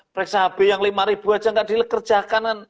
periksa hb yang rp lima aja gak dikerjakan